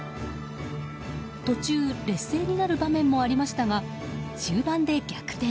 途中、劣勢になる場面もありましたが終盤で逆転。